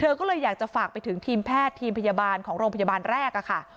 ก็เลยอยากจะฝากไปถึงทีมแพทย์ทีมพยาบาลของโรงพยาบาลแรกค่ะ